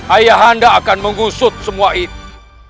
ayahanda akan mengusut semua itu